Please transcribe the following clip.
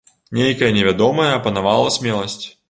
Нейкая невядомая апанавала смеласць.